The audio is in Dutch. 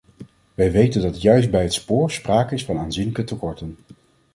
Wij weten dat juist bij het spoor sprake is van aanzienlijke tekorten.